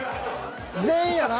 全員やな。